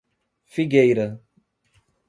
Figueira